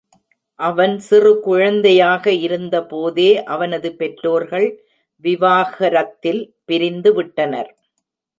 அவன் சிறு குழந்தையாக இருந்தபோதே அவனது பெற்றோர்கள் விவாகரத்தில் பிரிந்து விட்டனர்.